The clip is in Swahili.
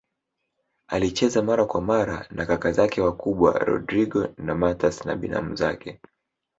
alicheza mara kwa mara na kaka zake wakubwa Rodrigo na MatÃas na binamu zake